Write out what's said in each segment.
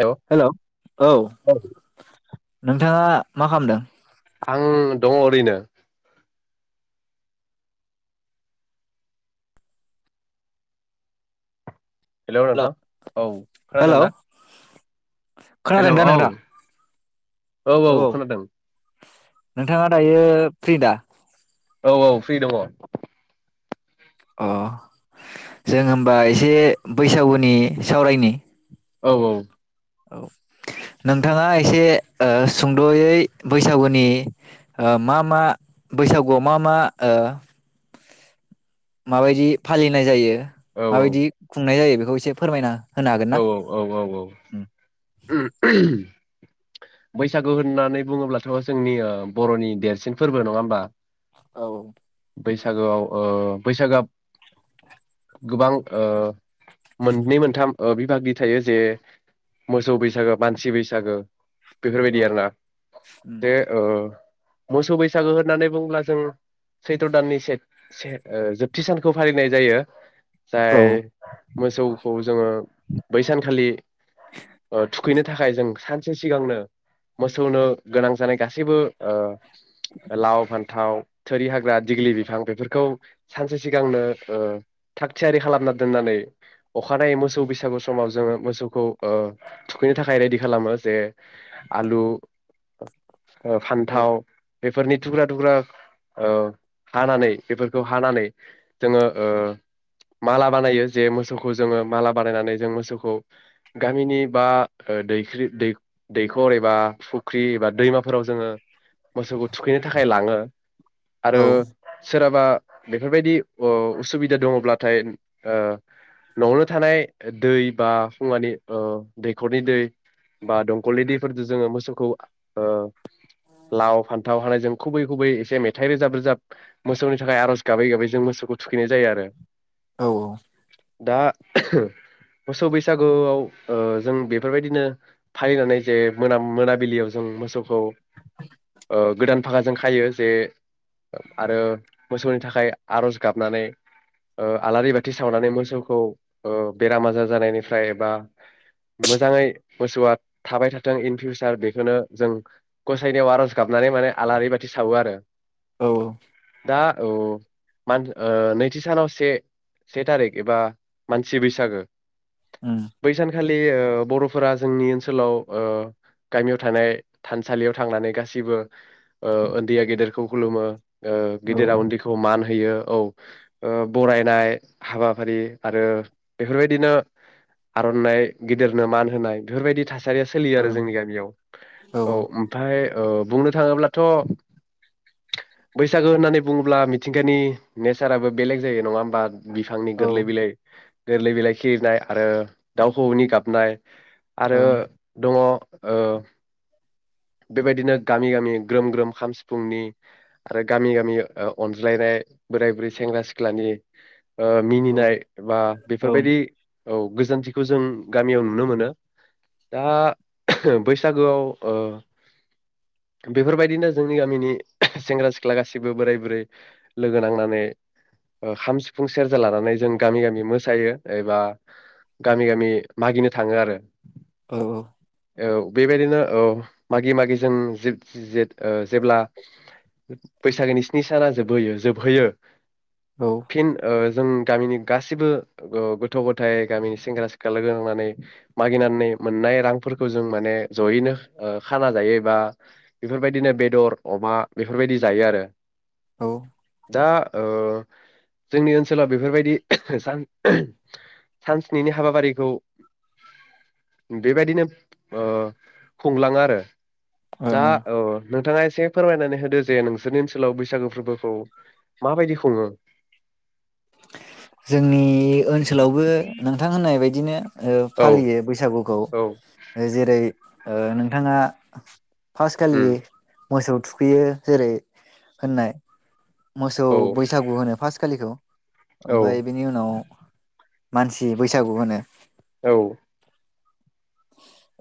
Hello hello औ। नोंथाङा मा खामदों? आं दङ ओरैनो। हेलौ नोंथां औ। खोनादों हेलौ ना? हेल खोनादों औ दा नोंथां औ औ खोनादों। नोंथाङा दायो फ्रिदा? औ औ फ्रि दङ। अह जों होनबा एसे बैसागुनि सावरायनि। औ औ। औ नोंथाङा एसे ओ सुंद'यै बैसागुनि ओ मा मा बैसागुआव मा मा ओ मा बायदि फालिनाय जायो औ माबायदि खुंनाय जायो बे खौ एसे फोरमायना होनो हागोन औ ना औ औ औ औ। उम बैसागु होननानै बुङोब्लाथ' जोंनि बर'नि देरसिन फोरबो नङा होमबा? औ। बैसागोआव ओ बैसागोआ गोबां ओ मोननै मोनथाम ओ बिभागनि थायो जे मोसौ बैसागो, मानसि बैसागो औ बेफोरबायदि आरो ना [unintelligible] ओ मोसौ बैसागो होननानै बुङोब्ला जों सैथ्र दाननि सेथ सेथ जोबथि सानखौ फालिनाय जायो। औ जाय मोसौखौ जोङो बै सानखालि ओ थुखैनो थाखाय जों सानसे सिगांनो मोसौनो गोनां जानाय गासैबो ओ लाव फान्थाव थोरि हाग्रा दिग्लि बिफां बेफोरखौ सानसे सिगांनो थाग थियारि खालामना दोननानै अखानायै मोसौ बैसाग गु समाव जोङो मोसौखौ ओ थुखैनो थाखाय रेडि खालामो जे आलु ओ औ फान्थाव बेफोरनि थुख्रा थुख्रा औ हानानै बेफोरखौ हानानै जोङो ओ माला बानायो जे मोसौखौ जोङो माला बानायनानै जों मोसौखौ गामिनि बा ओ दैख्रि दै-दैखर एबा फुख्रि एबा दैमाफोराव जोङो मोसौखौ थुखैनो थाखाय लाङो आरो औ सोरा बा बेफोरबायदि ओ उसुबिदा दङब्लाथाय ओ नआवनो थानाय दै बा फुुंङानि ओ दैखरनि दै बा दंखलनि दैफोरजों जोङो मोसौखौ ओ लाव फान्थाव हानाय जों खुबै खुबै एसे मेथाइ रोजाब रोजाब मोसौनि थाखाय आरज गाबै गाबै जों मोसौखौ थुखैनाय जायो आरो। औ औ दा मोसौ बैसागुआव ओ जों बेफोरबायदिनो फालिनानै जे मोना मोनाबिलियाव जों मोसौखौ ओ गोदान फाखाजों खायो जे आरो मोसौनि थाखाय आरज गाबनानै ओ आलारि बाथि सावनानै मोसौखौ ओ बेराम आजार जानायनिफ्राय एबा मोजाङै मोसौआ थाबाय थाथों इन फिउसार बेखौनो जों गसायनायाव आरज गाबनानै माने आलारि बाथि सावो आरो औ औ दा औ मान नैथि सानाव से से थारिख एबा मानसि बैसो सागो। उम बैसानखालि ओ बरफ फोरा जोंनि ओनसोलाव गामियाव थानाय थानसालियाव थांनानै गासिबो उन्दैया गेदेरखौ खुलुमो। ओ औ गेदेरा उन्दैखौ मान होयो। होयो औ ओ बरायनाय हाबाफारि आरो बेफोरबायदिनो आरनाइ गिदिरनो मान होनाय बेफोरबायदि थास थासारिया सोलियो आरो ओं जोंनि गामियाव औ ओमफ्राय ओ बुंनो थाङोब्लाथ बैसागो होननानै बुङोब्ला मिथिंगानि नेचाराबो बेलेग जायो नङा होमबा। बिफांनि औ गोरलै बिलाइ गोरलै बिलाइ खिरिनाय आरो दाउखौनि गाबनाय आरो ओं दङ ओ बेबायदिनो गामि गामि ग्रोम ग्रोम खाम सिफुंनि आरो गामि गामि ओ अनज्लायनाय बोराय बुरै सेंग्रा सिख्लानि ओ औ मिनिनाय बा ओं बेफोरबायदि औ गोजोनथिखौ जों गामियाव नुनो मोनो दा बैसागोआव ओ बेफोरबायदिनो जोंनि गामिनि सेंग्रा सिख्ला गासैबो बोराय बुरै लोगो नांनानै ओ खाम सिफुं सेरजा लानानै जों गामि गामि मो सायो एबा गामि गामि मागिनो थाङो आरो औ औ औ बेबायदिनो औ मागि मागि जों जेब जे जेब्ला बैसागोनि स्नि साना जोबहोयो जोबहैयो औ औ फिन ओ जों गामिनि गासिबो गा गथ गथाय गामिनि सेंग्रा सिख्ला लोगो नांनानै मागिनानै मोननाय रांफोरखौ जों माने जयैनो खाना जायो एबा बेफोरबायदिनो बेदर अमा बेफोरबायदि जायो आरो। औ दा ओ जोंनि ओनसोला बेफोरबायदि सान सानस्निनि हाबाफारिखौ बेबादिनो ओ खुंलाङो आरो दा ओं औ नोंथाङा एस एसे फोरमायनानै होदो जे नोंसोरनि ओनसोलाव बैसागु फोरबोखौ माबायदि खुङो? जोंनि बे ओनसोलावबो नोंथां होननाय बायदिनो ओ औ फालियो बैसागुखौ औ ओ जेरै ओ नोंथाङा फास खालि उम मोसौ थुखैयो जेरै होननाय मोसौ औ बैसागु होनो फास्ट खालिखौ औ ओमफ्राय बेनि उनाव मानसि बैसागु होनो औ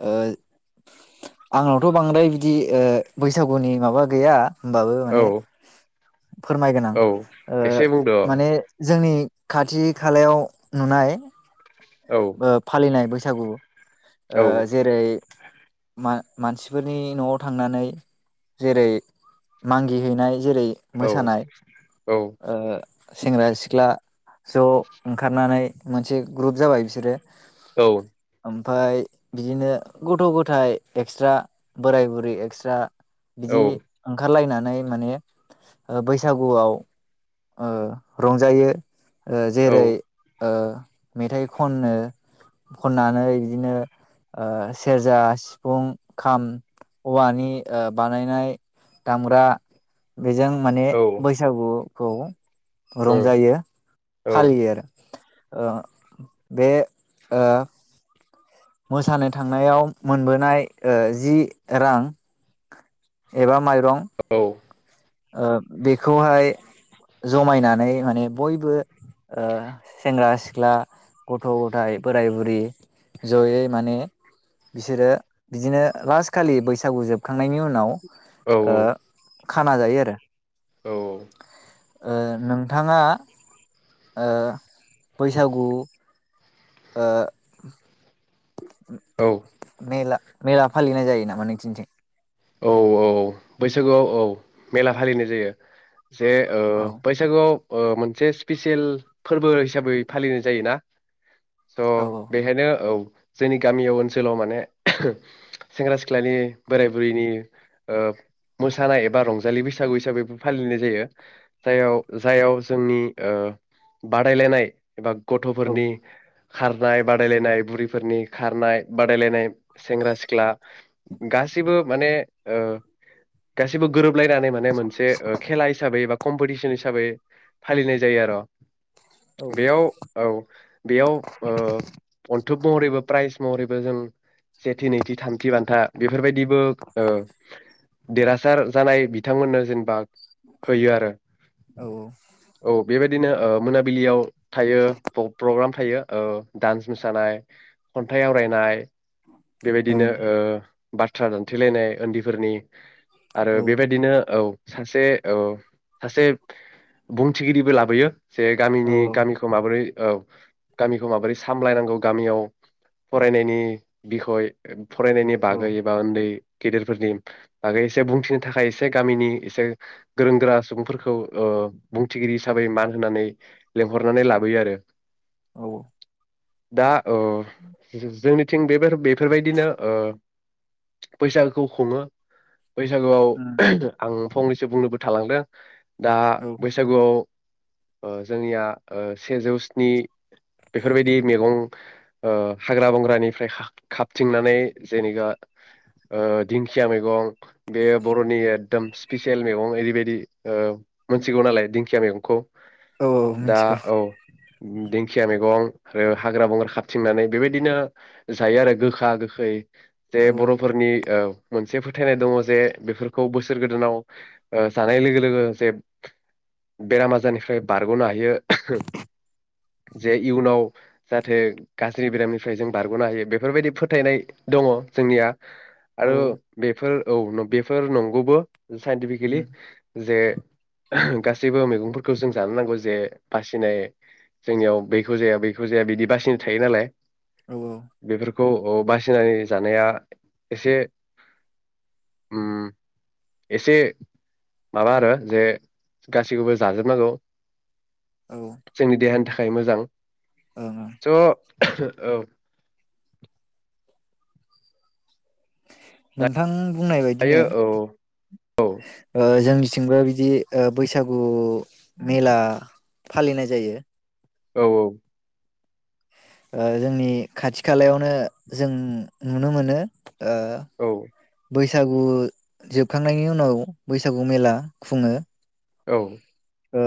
ओ आंनावथ बांद्राय बिदि ओ बैसागुनि माबा गैया होम्बाबो माने औ फोरमायगोन आं‌ औ ओ एसे बुंदो माने अ जोंनि खाथि खालायाव नुनाय औ ओ फालिनाय बैसागु सागु औ ओ जेरै मा-मानसिफोरनि नआव थांनानै जेरै मांगि हैैनाय जेरै औ मोसानाय‌ औ ओ सेंग्रा सिख्ला ज ओंखारनानै मोनसे ग्रुप जाबाय बिसोर [unintelligible] औ ओमफाय बिदिनो गथ गथाय एक्सट्रा बोराय बुरै एक्सट्रा औ बिदि ओ ओंखारलायनानै नै माने बैसागुआव ओ रंजायो। ओ औ जेरै ओ मेथाइ खनो खननानै बिदिनो ओ सेरजा सिफुं खाम औवानि ओ बानायनाय दामग्रा बेजों माने बैसागु औ रंजायो फालियो आरो ओ बे ओ मोसानो थांनायाव मोनबोनाय जि रां एबा मा औ बेखौहाय जमायनानै माने बयबो सेंग्रा सिख्ला गथ' गथाइ बोराय बुरि जयै माने बिसोरो बिदिनो लास्ट खालि बैसागु जोबखांनायनि उनाव औ ओ औ खाना जायो आरो औ नोंथाङा बैसागु ओ औ मेला मेला फालिनाय जायो नामा नोंथिनिथिं? औ औ बैसागुआव औ मेला फालिनाय जायो। जे औ बैसागुआव मोनसे स्पिेसियेल फोरबो हिसाबै फालिनाय जायोना? स औ बेहायनो औ जोंनि गामियाव ओनसोलाव माने सेंग्रा सिख्लानि बोराइ बुरिनि मोसानाय एबा रंजालि बैसागु हिसाबैबो फालिनाय जायो जाययाव जाययाव जोंनि बादायलायनाय एबा औ गथ'फोरनि खारनाय बादायलायनाय बुरिफोरनि खारनाय बादायलायनाय सेंग्रा सिख्ला गा माने गासिबो गोरोब लायनानै माने मोनसे खेला हिसाबै बा कम्पिटिसन हिसाबै फालिनाय जायो आरो औ बेयाव औ बेयाव ओ अन्थुब महरैबो प्राइज महरैबो जों सेथि नैथि थामथि बान्था बेफोरबायदिबो ओ देरहासार जानाय बिथांमोननो जेनेबा होयो आरो औ औ बेबाय दिनो ओ मोनाबिलियाव थायो प्रग्राम थायो ओ डान्स मोसानाय, खन्थाइ आवरायनाय, बेबायदिनो ओं ओ बाथ्रा दान्थलायनाय, उन्दैफोरनि आरो औ बेबायदिनो औ। सासे औ सासे बुंथिगिरिबो लाबोयो। जे गामिनि औ गामिखौ माबोरै औ गामिखौ माबोरै सामलायनांगौ गामियाव फरायनायनि बिखय फरायनायनि औ एबा उन्दै गेदेरफोरनि बागै एसे बुंथिनो थाखाय एसे गामिनि एसे गोरों गोरा सुबुंफोरखौ ओ बुंथिगिरि हिसाबै मान होनानै लेंंहरनानै लाबोयो आरो। औ दा ओ जोंनि थिं बेफोर बेफोरबायदिनो ओ बैसागोखौ खुङो। बैसागुआव उम आं फंनैसो बुंनोबो थालांदों। दा औ बैसागुआव ओ जोंनिया सेजौ स्नि बेफोरबायदि मैगं ओ हाग्रा बंग्रानिफ्राय खाबथिंनानै जेनेबा ओ दिंखिया मैगं बेयो बर'नि एकदम स्पिसियेल मैगं ओरैबायदि ओ मोनथिगौ नालाय दिंखिया मैगंखौ औ औ दा मिथिगौ। औ दिंखिया मैगं आरो हाग्रा बंग्रा खाबथिंनानै बेबायदिनो जायो आरो गोखा गोखै जे औ बर'फोरनि ओ मोनसे फोथायनाय दङ जे बेफोरखौ बोसोर गोदानाव ओ जानाय लोगो लोगो जे बेराम आजारनिफ्राय बारगनो हायो। जे इयुनाव जाहाथे गाज्रि बेरामनिफ्राय जों बारगनो हायो। बेफोरबायदि फोथायनाय दङ जोंनिया। आरो औ बेफोर औ बेफोर नंगौबो। साइन्टिफकेलि उम जे गासैबो मैगंफोरखौ जों जानो नांगौ जे बासिनाय जोंनियाव बैखौ जाया बैखौ जाया बिदि बासिनाय थायो नालाय? औ औ। औ औ बासि बायसिनानि जानाया एसे उम एसे माबा आरो जे गाससिखौबो जाजोबनांगौ। औ ओं जोंनि देहानि थाखाय। थाखाय मोजां। ओं ज औ। नोंथां। बुंनाय बायदिनो दायो औ औ ओ जोंनि थिंबोरा बिदि बैसागु मेला फालिनाय जायो। औ औ। ओ जोंनि खाथि खालायावनो जों नुनो मोनो। ओ औ बैस बैसागु जोबखांनायनि उनाव बैसागु मेला खुङो। औ। ओ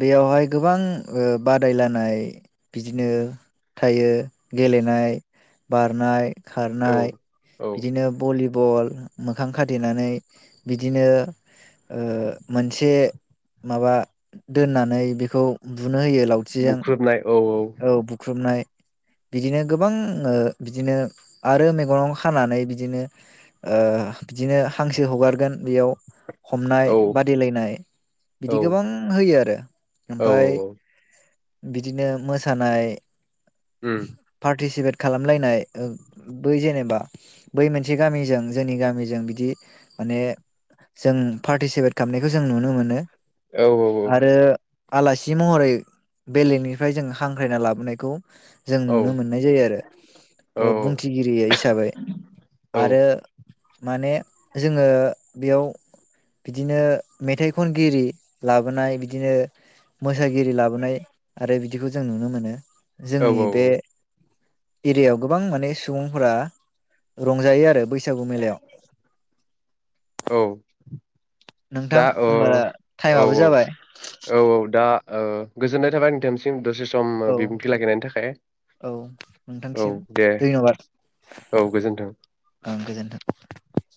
बेयावहाय गोबां बादायलायनाय बिदिनो थायो गेलेनाय बारनाय। औ खारनाय औ बिदिनो भलि बल मोखां खाथेनानै बिदिनो ओ मोनसे माबा दोननानै बेखौ बुनो होयो लावथिजों औ बुख्रुबनाय। बिदिनो गोबां ओ बिदिनो आरो मेगनाव खानानै बिदिनो ओ बिदिनो हांसो हगारगोन बेयाव हमनाय औ बादायलायनाय औ बिदि गोबां होयो आरो औ ओमफफ्राय औ बिदिनो मो सानाय उम पार्टिसिपेट खालामलायनाय बै जेनेबा बै मोनसे गामिजों जोंनि गामिजों बिदि माने जों पार्टिसिपेट खालामनायखौ जों नुनो मोनो। औ औ आरो औ आलासि महरै बेलेखनिफ्राय जों हांख्रायना लाबोनायखौ जों नुनो मोननाय जायो आरो ओ बुंथिगिरि हिसाबै। आरो माने जोङो बेयाव बिदिनो मेथाइ खनगिरि लाबोनाय बिदिनो मो सागिरि लाबोनाय आरो बिदि जों नुनो मोनो। औ जोंनि बे औ एरिआव। गोबां माने सुबुंफोरा रंजायो आरो बै सागु मेलायाव। औ नोंथां दा ओ होमबा औ टाइमाबो औ जाबाय औ औ दा ओ गोजोन्नाय थाबाय नोंथांनिसिम दसे सम ओ औ बिबुंथि लाखिनायनि थाखाय औ औ नोंथांसिम दे धयनबाद औ गोजोन्थों ओं गोजोन्थों।